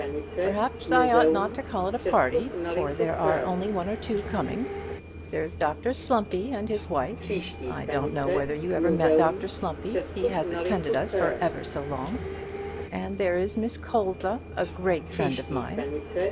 "Perhaps I ought not to call it a party, for there are only one or two coming. There's Dr Slumpy and his wife; I don't know whether you ever met Dr Slumpy. He has attended us for ever so long; and there is Miss Colza, a great friend of mine.